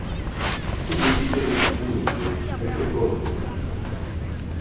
Ti geǩideri mulut̆u heşo kort̆u.